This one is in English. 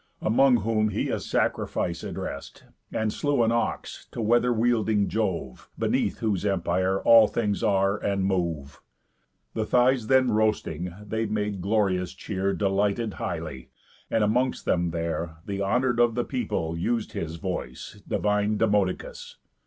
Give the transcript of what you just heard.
Among whom he a sacrifice addrest, And slew an ox, to weather wielding Jove, Beneath whose empire all things are, and move. The thighs then roasting, they made glorious cheer Delighted highly; and amongst them there The honour'd of the people us'd his voice, Divine Demodocus.